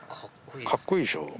かっこいいでしょ？